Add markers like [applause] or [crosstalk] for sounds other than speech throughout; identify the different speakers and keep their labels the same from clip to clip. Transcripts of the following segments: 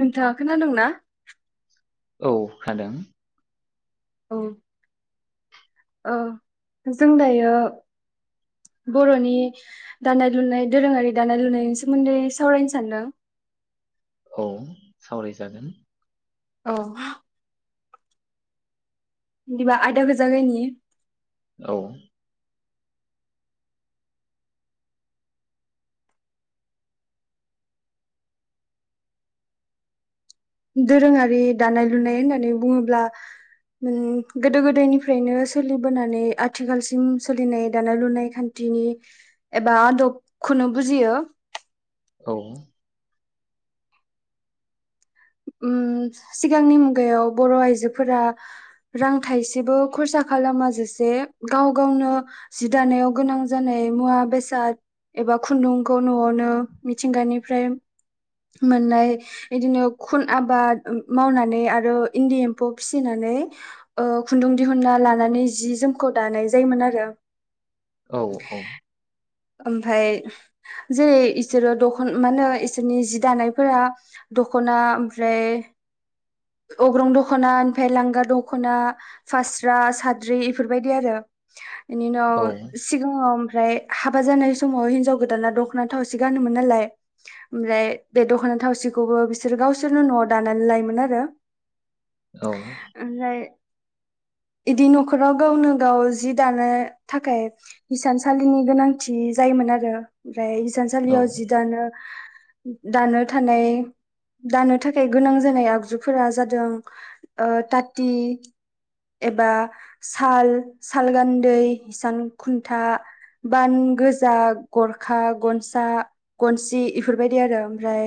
Speaker 1: नोंथाङा खोनादोंंना?
Speaker 2: औ खोनादों।
Speaker 1: औ औ जों दायो बर'नि दानाय लुनाय दोरोङारि दानाय लुनायनि सोमोन्दै सावरायनो सानदों।
Speaker 2: औ सावरायजागोन।
Speaker 1: औ बिदिबा आयदाखो जागायनि
Speaker 2: औ
Speaker 1: दोरोङारि दानाय लुनाय होननानै बुङोब्ला उम गोदो गोदायनिफ्रायनो सोलिबोनानै आथिखालसिम सोलिनाय दानाय लुनाय खान्थिनि एबा आदबखौनो बुजियो।
Speaker 2: औ
Speaker 1: उम सिगांनि मुगायाव बर' आइजोफोरा रां थाइसेबो खरसा खालामाजासे गाव गावनो जि दानायाव गोनां जानाय मुवा बेसाद एबा खुन्दुंखौ न'आवनो मिथिंगानिफ्राय मोननाय बिदिनो खुन आबाद मावनानै आरो इन्दि एम्फौ फिसिनानै ओ खुन्दुं दिहुना लानानै जि-जोमखौ दानाय जायोमोन आरो।
Speaker 2: औ औ
Speaker 1: ओमफाय जेरै इसोरो दख मा होनो इसोरनि जि दानायफोरा दख'ना ओमफ्राय अग्रं दख'ना ओमफ्राय लांगा दख'ना, फास्रा, साद्रि बेफोरबायदि आरो। इनि
Speaker 2: औ
Speaker 1: उनाव सिगांआव ओमफ्राय हाबा जानाय समाव हिनजाव गोदाना दख'ना थावसि गानोमोन नालाय ओमफ्राय बे दख'ना थावसिखौबो बिसोर गावसोरनो न'आव दानानै लायोमोन आरो।
Speaker 2: औ
Speaker 1: ओमफ्राय इदि न'खराव गावनो गाव जि दानो थाखाय हिसानसालिनि गोनांथि जायोमोन आरो। ओमफ्राय हिसान
Speaker 2: औ
Speaker 1: सालियाव जि दानो दानो थानाय दानो थाखाय गोनां जानाय आगजुफोरा जादों ओ ताति एबा साल, साल गान्दै, हिसान खुन्था बान गोजा गरखा, गनसा, गनसि इफोरबायदि आरो ओमफ्राय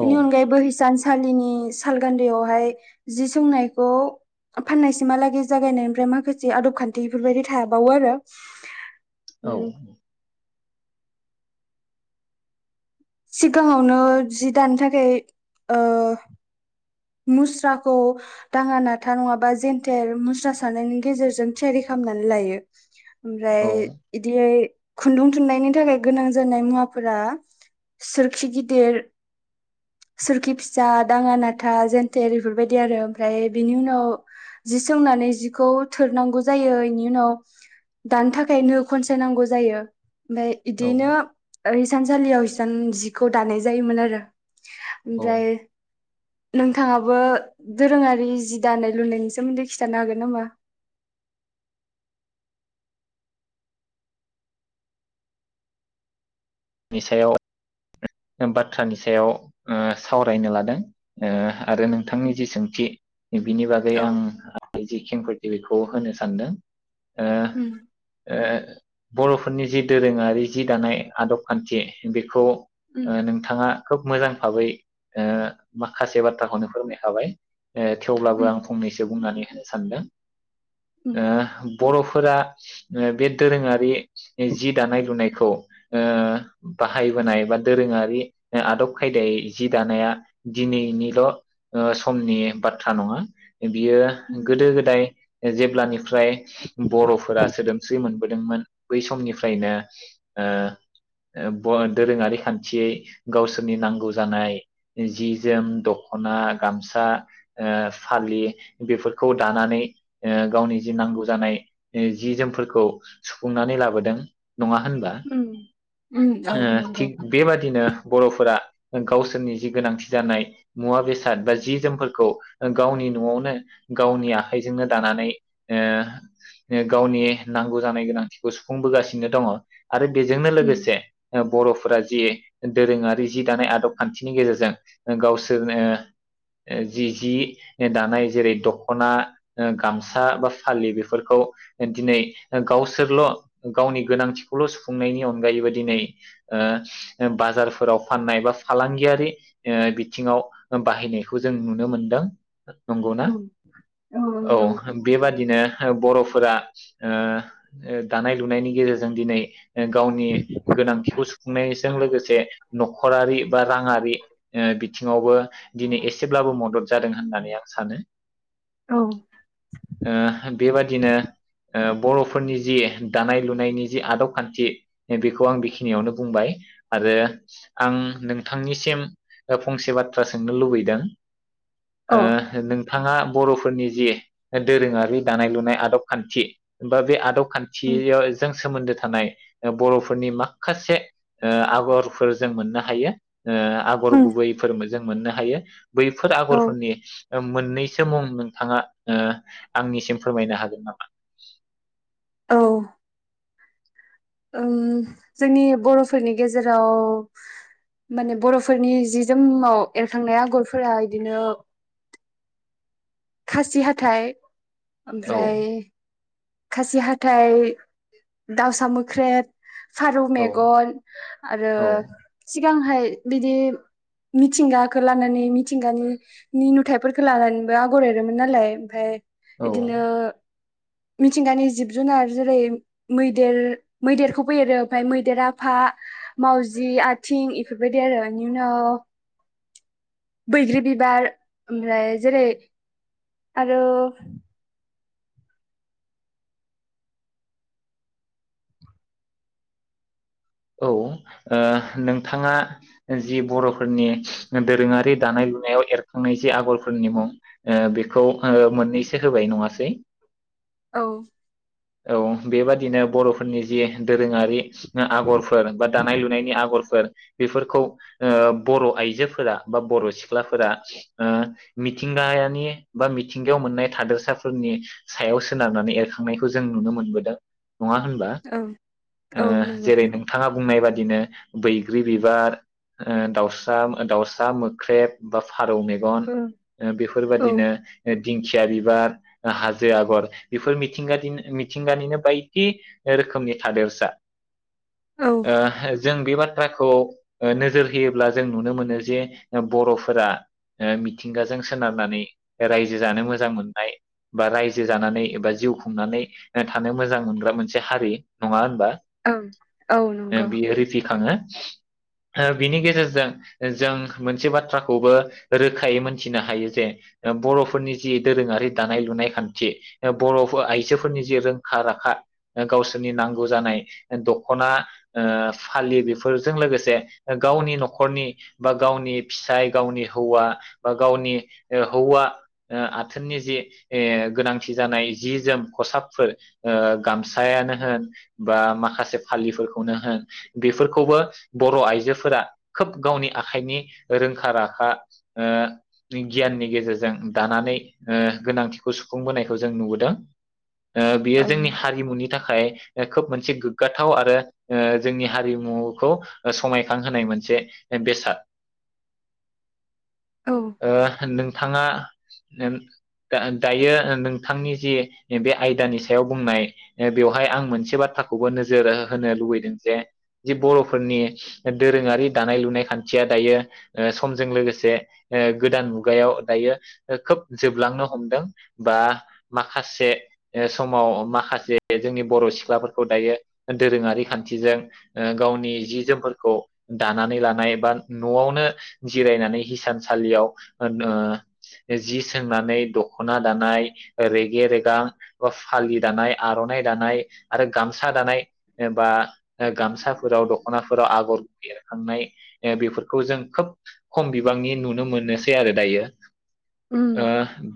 Speaker 1: बेनि अनगायैबो हिसान सा सालिनि सालगान्दैयावहाय जि सोंनायखौ फाननायसिमहालागै जागायनायनिफ्राय माखासे आदब खान्थि एफोरबायदि थाबावो आरो।
Speaker 2: औ
Speaker 1: उम सिगाङावनो जि दानो थाखाय ओ मुस्राखौ दाङा नाथा नङाबा जेन्थेर मुस्रा सानायनि गेजेरजों थियारि खालामनानै लायो
Speaker 2: औ
Speaker 1: ओमफ्राय इदियै खुन्दुं थुननायनि थाखाय गोनां जानाय मुवाफोरा सोरखि गिदिर, सोरखि फिसा, दाङा ना था, जेन्थेर एफोरबायदि आरो ओमफ्राय बेनि उनाव जि सोंनानै जिखौ थोरनांगौ जायो इनि उनाव दानो थाखायनो खनसायनांगौ जायो। ओमफ्राय
Speaker 2: औ
Speaker 1: इदिनो ओ हिस सानसालियाव हिसान जिखौ दानाय जायोमोन आरो।
Speaker 2: औ
Speaker 1: ओमफ्राय नोंथाङाबो दोरोङारि जि दानाय लुनायनि सोमोन्दै खिथानो हागोन नामा
Speaker 2: नि सायाव बाथ्रानि सायाव ओ सावरायनो लादों ओ आरो नोंथांनि जि सोंथि बिनि बागै
Speaker 1: औ
Speaker 2: आं जि खेंफोर बेखौ होनो सानदों ओ
Speaker 1: उम
Speaker 2: ओ बरफोरनि जि दोरोङारि जि दानाय आदब खान्थि बेखौ
Speaker 1: उम
Speaker 2: ओ नोंथाङा खोब मोजां भाबै माखासे बाथ्राखौनो फोरोमायखाबाय थेवब्लाबो
Speaker 1: उम
Speaker 2: आं फंनैसो बुंनानै सानदों
Speaker 1: उम
Speaker 2: ओ बरफोरा बे दोरोङारि जि दानाय लुनायखौ ओ बाहायबोनाय बा दोरोङारि आदब खायदायै जि दानाया दिनैनिल समनि बाथ्रा नङा बियो
Speaker 1: उम
Speaker 2: गोदो गोदाय जेब्लानि ओमफ्राय बरफोरा सोदोमस्रि मोनबोदोंमोन बै समनिफ्रायनो दोरोङारि खान्थियै गावसोरनि नांगौ जानाय जि जोम दखना गामसा ओ फालि बेफोरखौ दानानै गावनि जि नांगौ जानाय जि जोमफोरखौ सुफुंनानै लाबोदों नङा होनबा
Speaker 1: उम उम औ
Speaker 2: ओ
Speaker 1: नंगौ
Speaker 2: थिग बेबादिनो नो बरफोरा गावसोरनि जि गोनांथि जानाय मुवा बेसाद बा जि जोमफोरखौ गावनि नआवनो गावनि आखाइजोंनो दानानै गावनि नांगौ जानाय गोनांथिखौ सुफुंबोगासिनो दङ आरो बेजोंनो
Speaker 1: उम
Speaker 2: लोगोसे बरफोरा जि दोरोङारि जि दानाय आदब खान्थिनि गेजेरजों गावसोरनो जि जि दानाय जेरै दखना गामसा बा फालि बेफोरखौ दिनै गावसोरल गावनि गोनांथिखौल सुफुंनायनि अनगायैबो दिनै बाजारफोराव फाननाय बा फालांगियारि बिथिङाव बाहायनायखौ जों नुनो मोनदों नंगौनाा
Speaker 1: औ
Speaker 2: औ बेबादिनो बरफोरा दानाय लुनायनि गेजेरजों दिनै गावनि खिखौ सुफुंनायजों लोगोसे नखरारि बा राङारि बिथिङावबो दिनै एसेब्लाबो मदद जादों होननानै आं सानो
Speaker 1: औ
Speaker 2: [inaudible] ओ बेबादिनो ओ बरफोरनि जि दानाय लुनायनि जि आदब खान्थि बेखौ आं बेखिनियावनो बुंबाय आरो आं नोंथांनिसिम फंसे बाथ्रा सोंनो लुबैदों
Speaker 1: औ
Speaker 2: ओ नों बिथाङा बरफोरनि जि दोरोङारि दानाय लुनाय आदब खान्थि बा बे आदब
Speaker 1: उम
Speaker 2: खानथिजों सोमोन्दो थानाय बर'फोर फोरनि माखासे आगरफोर जों मोननो हायो । आगर
Speaker 1: उम
Speaker 2: गुबै फोरमोन । जों मोननो हायो । बैफोर
Speaker 1: औ
Speaker 2: आगरफोरनि मोननैसो मुं नोंथाङा आंनिसिम फोरमायनो हागोन नामा?
Speaker 1: औ । ओ जोंनि बर'फोरनि गेजेराव माने बर'फोरनि जि जोमाव एरखांनाय आगरफोरा इदिनो खासि हाथाइ
Speaker 2: औ
Speaker 1: ओमफ्राय खासि हाथाइ दाउसा मोख्रेब फारौ
Speaker 2: औ
Speaker 1: मेगन आरो सि गांहाय बिदि मिथिंगाखो लानानै मिथिंगानि नि नुथाइफोरखो लानानैबो आगर एरोमोन नालाय ओमफ्राय
Speaker 2: औ औ
Speaker 1: इदिनो मिथिंगानि जिब जुनार जेरै मैदेर मैदेरखौ बो एरो आमफाय मैदेरा आफा मावजि आथिं इफोरबायदि आरो इनि उनाव बैग्रि बिबार ओमफ्राय जेरै आरो
Speaker 2: औ ओ नोंथाङा जि बर'फोरनि दोरोङारि दानाय लुनायाव एरखांनाय जि आगरफोरनि मुं ओ बेखौ ओ मोननैसो होबाय नङासै?
Speaker 1: औ ।
Speaker 2: औ बेबादिनो बर'फोरनि जि दोरोङारि आगरफोर बा दानाय लुनायनि आगरफोर बेफोरखौ ओ बर' आइजोफोरा बा बर' सिख्लाफोरा ओ मिथिंगायानि बा मिथिंगायाव मोननाय थादोरसाफोरनि सायाव सोनारनानै एरखांनायखौ जों नुनो मोनबोदों । नङा होनबा
Speaker 1: औ
Speaker 2: ओ
Speaker 1: औ नंगौ
Speaker 2: जेरै नोंथाङा बुंनाय बा दिनो बैग्रि बिबार ओ दाउस्रा ओ दाउसा मोख्रेब बा फारौ मेगन
Speaker 1: औ
Speaker 2: ओ
Speaker 1: औ
Speaker 2: बेफोरबादिनो एद दिंखिया बिबार ओ हाजो आगर बेफोर मिथिंगादिन मिथिंगानिनो बायदि ओ रोखोमनि थादेरसा ।
Speaker 1: औ
Speaker 2: ओ जों बे बाथ थ्राखौ ओ नोजोर होयोब्ला जों नुनो मोनो जे बर'फोरा ओ मिथिंगाजों सोनारनानै रायजो जानो मोजां मोननाय बा रायजो जानानै एबा जिउ खुंनानै ओ थानो मोजां मोनग्रा मोनसे हारि नङा होनबा?
Speaker 1: ओं औ
Speaker 2: ओ
Speaker 1: नंगौ
Speaker 2: बियो रिफिखाङो । ओ बिनि गेजेरजों जों मोनसे बाथ्राखौबो रोखायै मोनथिनो हायो जे ओ बर'फोरनि जि दोरोङारि दानाय लुनाय खान्थि ओ बर' फो आइजोफोरनि जि रोंखा राखा ओ गावसोरनि नांगौ जानाय ओ दख खना ओ फालि बेफोरजों लोगोसे ओ गावनि न'खरनि बा गावनि फिसाय गावनि हौवा बा गावनि ओ हौवा ओ आथोननि जि ए गोनांथि जानाय जि जोम खसाबफोर ओ गामसायानो होन बा माखासे फालिफोरखौ खौनो होन बेफोर खौबो बर' आइजोफोरा खोब गावनि आखाइनि रोंखा राखा ओ गियाननि गेजेरजों दानानै ओ गोनांथिखौ सुफुंबोनायखौ जों नुबोदों । ओ बियो
Speaker 1: औ
Speaker 2: जोंनि हारिमुनि थाखाय ओ खोब मोनसे गोग्गा थाव आरो ओ जोंनि हारिमुखौ ओ समायखांहोनाय मोनसे ए बेसाद।
Speaker 1: औ
Speaker 2: ओ होनदों थाङा नेम गाओन दायो ओ नोंथांनि जि ए बे आयदानि सायाव बुंनाय ए बेवहाय आं मोनसे बाथ्राखौबो नोज जोर होनो लुबैदों जे जि बर'फोरनि दोरोङारि दानाय लुनाय खान्थिया दायो ओ समजों लोगोसे ओ गोदान मुगायाव दायो ओ खोब जोबलांनो हमदों बा माखासे ओ समाव माखासे जोंनि बर' सिख्लाफोरखौ दायो दोरोङारि खान्थिजों ओ गावनि जि जोमफोरखौ दानानै लानाय बा न'आवनो जिरायनानै हिसानसालियाव ओ नो जि सोंनानै दख'ना दानाय रेगे रेगां बा फालि दानाय आर'नाइ दानाय आरो गामसा दानाय ओ बा ओ गामसाफोराव दख'नाफोराव आगर एर खांनाय ओ बेफोरखौ जों खोब खम बिबांनि नुनो मोननोसै आरो दायो।
Speaker 1: उम
Speaker 2: ओ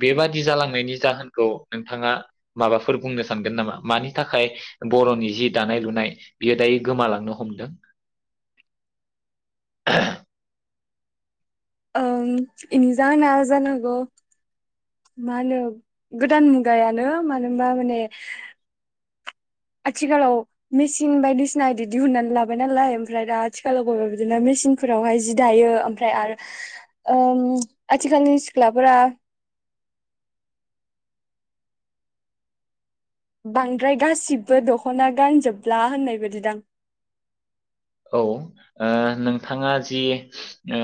Speaker 2: बेबाद जालांनायनि जाहोनखौ नोंथाङा माबाफोर बुंनो सानगोन नामा मानि थाखाय बर'नि जि दानाय लुनाय बियो दायो गोमालांनो हमदों ।
Speaker 1: ओं बेनि जाहोना जानोहागौ मा होनो गोदान मुगायानो मानो होनबा माने आथिखालाव मेचिन बायदिसिना बिदि दिहुननानै लाबाय नालाय ओमफ्राय दा आथिखालाव बबेबा बिदिनो मेचिनफोरावहाय जि दायो ओमफ्राय आरो ओ आथिखालनि सिख्लाफोरा बांद्राय गासिबो दख'ना गानजोबला होननाय बादिदां
Speaker 2: औ ओ नोंथाङा जि ओ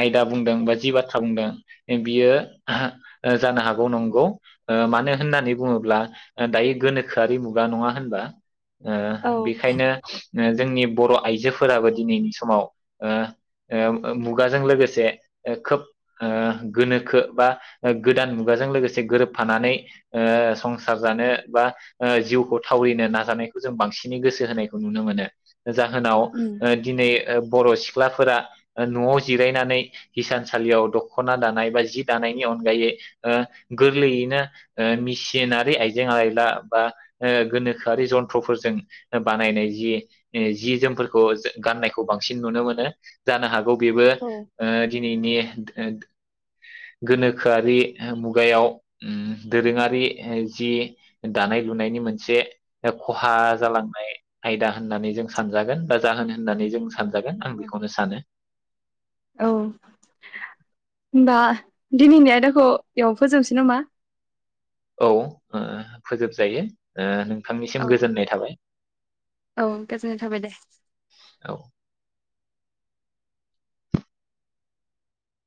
Speaker 2: आयदा बुंदों बा जि बाथ्रा बुंदों बियो ओ जानो हागौ नंगौ । मानो होननानै बुङोब्ला दायो गोनोखोआरि मुगा नङा होनबा? ओ बेखायनो जोंनि बर' आइजोफोराबो दिनैनि समाव ओ ओ मुगाजों लोगोसे खोब ओ गोनोखो बा ओ गोदान मुगाजों लोगोसे गोरोबफानानै ओ संसार जानो बा ओ जिउखौ थावरिनो नाजानायखौ जों बांसिनै गोसो होनायखौ नुनो मोनो । जाहोनाव
Speaker 1: उम
Speaker 2: ओ दिनै ओ बर' सिख्लाफोरा न'आव जिरायनानै हिसानसालियाव दख'ना दानाय बा जि दानायनि अनगायै ओ गोरलैयैनो ओ मेसिनारि आइजें आइला बा ओ गोनोखोआरि जन्थ्रफोरजों बानायनाय जि जि जोमफोरखौ गाननायखौ बांसिन नुनो मोनो जानो हागौ बेबो
Speaker 1: औ
Speaker 2: ओ दिनैनि गोनोखोआरि मुगायाव ओम दोरोङारि जि दानाय लुनायनि मोनसे खहा जालांनाय आयदा होननानै सानजागोन बा जाहोन होननानै जों सानजागोन आं
Speaker 1: औ
Speaker 2: बेखौनो सानो ।
Speaker 1: होमबा दिनैनि आयदाखौ एयाव फोजोबनोसै नामा?
Speaker 2: औ ओ फोजोबजायो ओ नों बिथांनिसिम
Speaker 1: औ
Speaker 2: गोजोननाय थाबाय ।
Speaker 1: औ गोजोननाय थाबाय दे ।
Speaker 2: औ